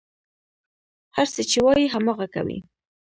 هر څه چې وايي، هماغه کوي.